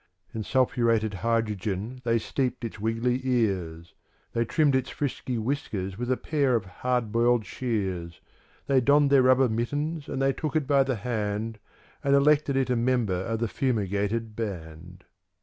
In sulphurated hydrogen they steeped its wiggly ears; They trimmed its frisky whiskers with a pair of hard boiled shears; They donned their rubber mittens and they took it by the hand And elected it a member of the Fumigated Band.